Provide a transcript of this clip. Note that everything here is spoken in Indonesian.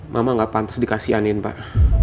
mama nggak pantas dikasihkanin pak